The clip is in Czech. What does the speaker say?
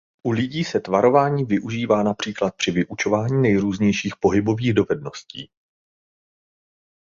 U lidí se tvarování využívá například při vyučování nejrůznějších pohybových dovedností.